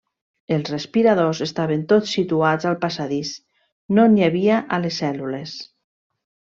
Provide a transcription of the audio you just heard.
Els respiradors estaven tots situats al passadís, no n'hi havia a les cèl·lules.